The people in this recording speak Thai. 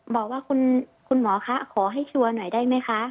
บอกว่าคุณหมอคะขอให้ชัวร์หน่อยได้ไหมคะ